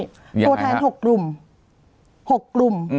ตัวแทน๖กลุ่ม